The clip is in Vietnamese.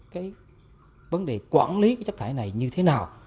cái vấn đề quản lý cái chất thải này như thế nào